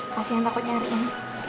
kasian takut nyariin